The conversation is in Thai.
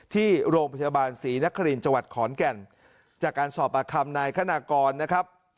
ที่โรงพยาบาลศรีนครินทร์จังหวัดขอนแก่นจากการสอบปากคำนายคณากรนะครับ